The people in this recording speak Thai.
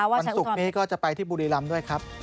วันศุกร์นี้ก็จะไปที่บุรีรำด้วยครับ